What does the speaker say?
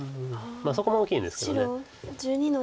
そこも大きいんですけど。